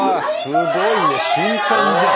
すごいね瞬間じゃん！